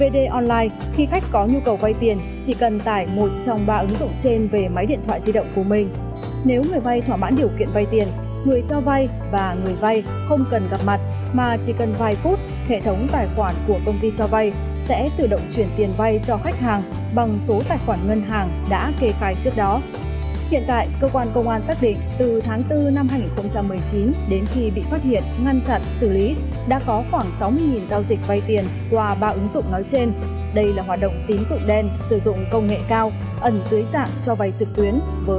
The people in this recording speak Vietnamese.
đây là hoạt động tín dụng đen sử dụng công nghệ cao ẩn dưới dạng cho vay trực tuyến với lãi suất rất cao tiêm ẩn nhiều rủi ro cho cả người vay lẫn người cho vay